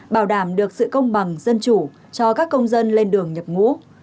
bảo đảm được sự công bằng dân chủ cho các công dân lên đường nhập ngũ